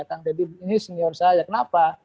kang deddy ini senior saya kenapa